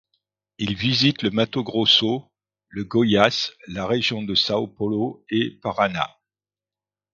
Il visite le Mato Grosso, le Goiás, la région de Sao Paulo et Parana.